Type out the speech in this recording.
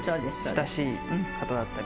親しい方だったり。